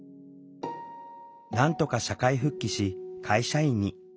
なんとか社会復帰し会社員に。